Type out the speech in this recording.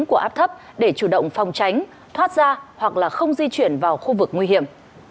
của áp thấp để chủ động phòng tránh thoát ra hoặc là không di chuyển vào khu vực nguy hiểm